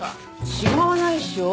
違わないっしょ。